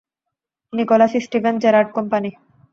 Nicolas Steven Gerrard company.